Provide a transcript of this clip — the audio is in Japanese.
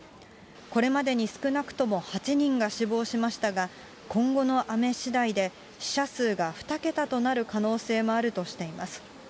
これまでに少なくとも８人が死亡しましたが、今後の雨しだいで死者数が２桁となる可能性もあるとしています。